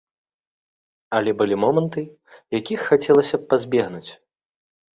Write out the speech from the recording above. Але былі моманты, якіх хацелася б пазбегнуць.